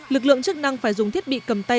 lực lượng chức năng phải dùng thiết bị cầm tay